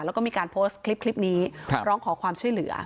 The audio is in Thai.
แล้วก็มีการโพสต์คลิปนี้ร้องขอความช่วยเหลือ